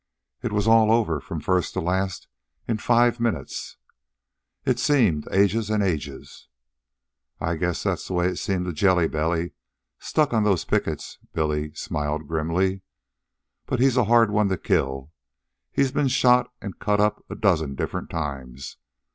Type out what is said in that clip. "It was all over, from first to last, in five minutes." "It seemed ages and ages." "I guess that's the way it seemed to Jelly Belly, stuck on the pickets," Billy smiled grimly. "But he's a hard one to kill. He's been shot an' cut up a dozen different times.